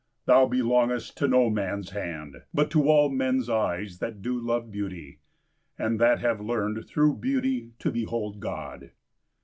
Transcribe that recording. Thou belongest to no man's hand, but to all men's eyes that do love beauty, and that have learned through beauty to behold God!